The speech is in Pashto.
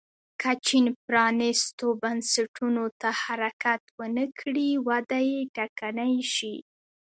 که چین پرانیستو بنسټونو ته حرکت ونه کړي وده یې ټکنۍ شي.